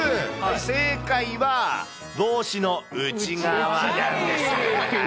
正解は、帽子の内側なんです。